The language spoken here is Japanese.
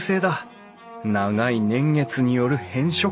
長い年月による変色！